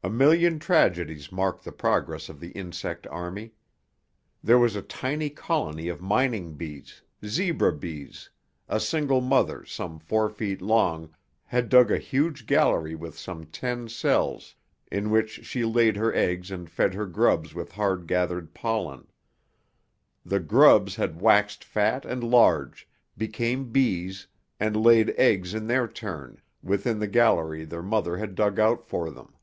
A million tragedies marked the progress of the insect army. There was a tiny colony of mining bees Zebra bees a single mother, some four feet long, had dug a huge gallery with some ten cells, in which she laid her eggs and fed her grubs with hard gathered pollen. The grubs had waxed fat and large, became bees, and laid eggs in their turn, within the gallery their mother had dug out for them.